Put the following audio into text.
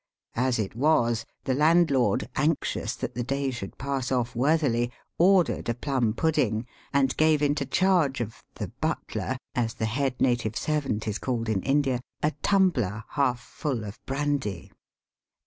As it was, the landlord, anxious that the day should pass off worthily, ordered a plum pudding, and gave into charge of " the butler," as the head native servant is called in India, a tumbler half full of brandy.